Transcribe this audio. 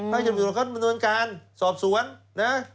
ให้เรามาดูถ้าแบบนึงการสอบสวนนะ